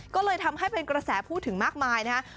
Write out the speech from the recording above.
ก็เลยทำให้เป็นกระแสพูดถึงมากมายนะครับ